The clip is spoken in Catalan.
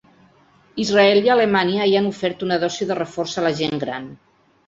Israel i Alemanya ja han ofert una dosi de reforç a la gent gran.